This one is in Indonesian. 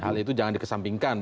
hal itu jangan dikesampingkan